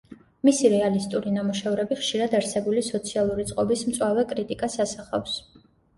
მისი რეალისტური ნამუშევრები ხშირად არსებული სოციალური წყობის მწვავე კრიტიკას ასახავს.